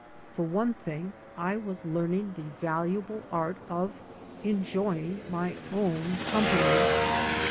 For one thing I ^as learning the valuable art of enjoying my own company.